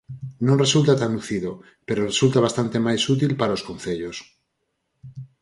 Non resulta tan lucido, pero resulta bastante máis útil para os concellos.